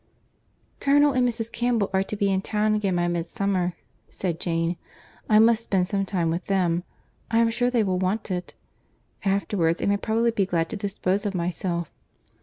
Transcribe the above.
"Colonel and Mrs. Campbell are to be in town again by midsummer," said Jane. "I must spend some time with them; I am sure they will want it;—afterwards I may probably be glad to dispose of myself.